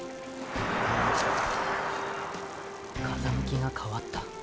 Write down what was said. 風向きがかわった。